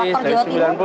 faktor jawa timur